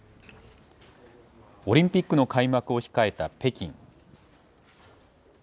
オリンピックの開幕を控えた北京。